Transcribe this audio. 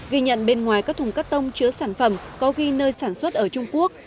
ghi nhận bên ngoài các thùng cắt tông chứa sản phẩm có ghi nơi sản xuất ở trung quốc